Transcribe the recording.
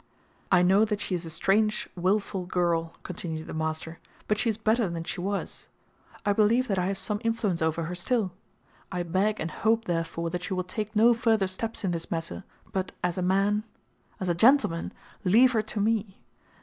"I know that she is a strange, willful girl," continued the master, "but she is better than she was. I believe that I have some influence over her still. I beg and hope, therefore, that you will take no further steps in this matter, but as a man, as a gentleman, leave her to me.